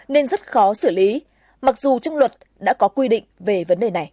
nên rất khó xử lý mặc dù trong luật đã có quy định về vấn đề này